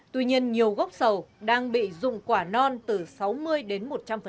tuy nhiên nhiều gốc sầu đang bị dụng quả non từ sáu mươi đến một trăm linh